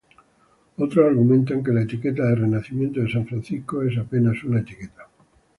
Otros argumentan que la etiqueta de Renacimiento de San Francisco es apenas una etiqueta.